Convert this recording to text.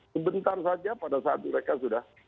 sebentar saja pada saat mereka sudah